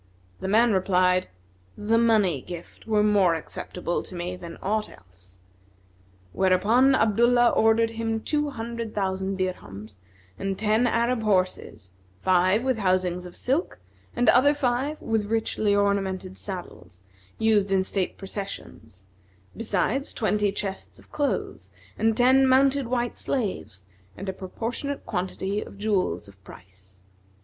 The man replied, "The money gift were more acceptable to me than aught else," whereupon Abdullah ordered him two hundred thousand dirhams and ten Arab horses, five with housings of silk and other five with richly ornamented saddles, used in state processions; besides twenty chests of clothes and ten mounted white slaves and a proportionate quantity of jewels of price.